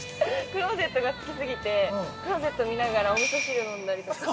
◆クローゼットが好きすぎてクローゼット見ながらおみそ汁飲んだりとか。